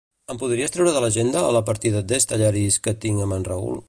Em podries treure de l'agenda la partida d'"Stellaris" que tinc amb en Raül?